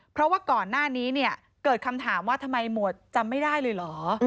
เพราะว่าก่อนหน้านี้เนี่ยเกิดคำถามว่าทำไมหมวดจำไม่ได้เลยเหรอ